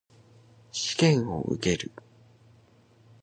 試験を受ける。